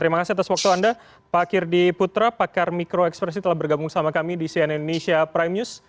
terima kasih atas waktu anda pak kirdi putra pakar mikro ekspresi telah bergabung sama kami di cnn indonesia prime news